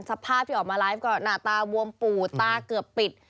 สภาพที่ออกมาไลฟ์ก็หน้าตาบวมปูดตาเกือบปิด